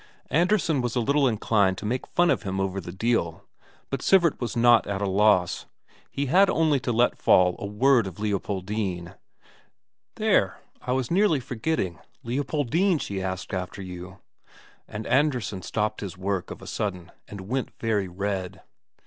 Andresen was a little inclined to make fun of him over the deal, but Sivert was not at a loss; he had only to let fall a word of Leopoldine. "There! I was nearly forgetting. Leopoldine she asked after you...." And Andresen stopped his work of a sudden and went very red.